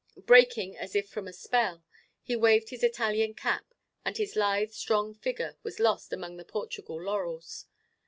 Breaking as if from a spell, he waved his Italian cap, and his lithe strong figure was lost among the Portugal laurels.